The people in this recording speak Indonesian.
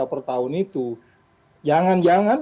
per tahun itu jangan jangan